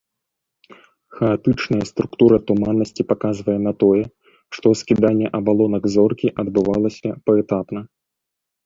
Хаатычная структура туманнасці паказвае на тое, што скіданне абалонак зоркі адбывалася паэтапна.